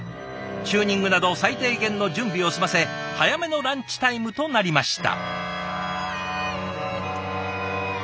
チューニングなど最低限の準備を済ませ早めのランチタイムとなりました。